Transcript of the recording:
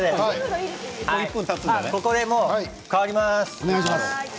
ここで変わります。